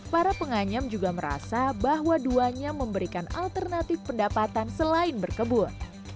para penganyam juga merasa bahwa duanya memberikan alternatif pendapatan selain berkebun